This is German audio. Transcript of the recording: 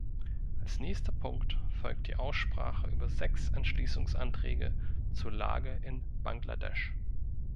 Als nächster Punkt folgt die Aussprache über sechs Entschließungsanträge zur Lage in Bangladesch.